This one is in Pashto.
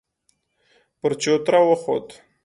پر چوتره وخوت.